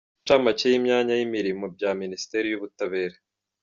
n‟incamake y‟imyanya y‟imirimo bya Minisiteri y‟Ubutabera ;